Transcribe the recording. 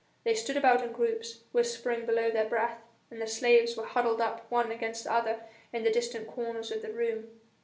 They stood about in groups, whispering below their breath, and the slaves were huddled up one against the other in the distant corners of the room.